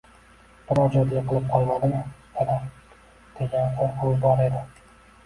Biror joyda yiqilib qolmadimi dadam, degan qo`rquvi bor edi